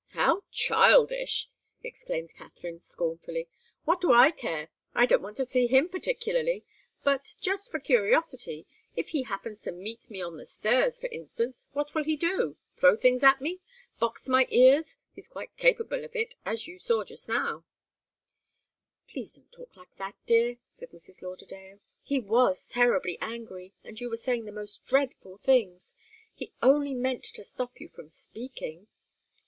"How childish!" exclaimed Katharine, scornfully. "What do I care? I don't want to see him particularly. But, just for curiosity if he happens to meet me on the stairs, for instance, what will he do? Throw things at me? Box my ears? He's quite capable of it as you saw just now " "Please don't talk like that, dear," said Mrs. Lauderdale. "He was terribly angry and you were saying the most dreadful things he only meant to stop you from speaking."